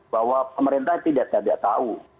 bahwa pemerintah tidak tahu